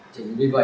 chính vì vậy